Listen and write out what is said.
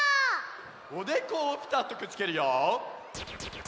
おでこをぴたっとくっつけるよ！